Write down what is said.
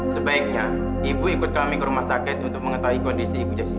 sebaiknya ibu ikut kami ke rumah sakit untuk mengetahui kondisi ibu jessica